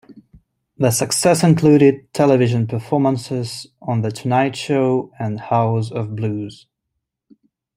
The success included television performances on "The Tonight Show" and "House of Blues".